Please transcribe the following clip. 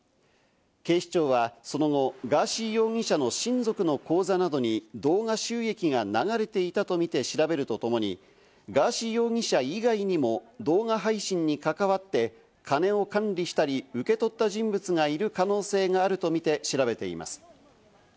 警視庁はその後、ガーシー容疑者の親族の口座などに動画収益が流れていたとみて調べるとともに、ガーシー容疑者以外にも動画配信に関わって、金を管理したり受け取った人物がいる可能性があるとみて調べています。